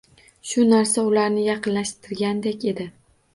Shu narsa ularni yaqinlashtirgandek edi.